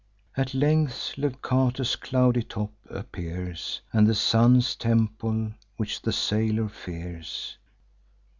At length Leucate's cloudy top appears, And the Sun's temple, which the sailor fears.